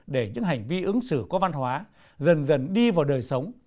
để những hành vi ứng xử có văn hóa dần dần đi vào đời sống